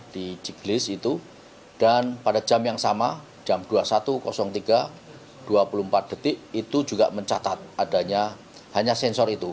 di ciglis itu dan pada jam yang sama jam dua puluh satu tiga dua puluh empat detik itu juga mencatat adanya hanya sensor itu